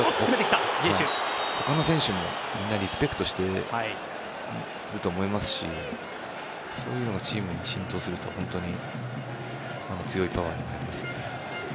他の選手もみんなリスペクトしてると思いますしそういうのがチームに浸透すると本当に強いパワーになりますよね。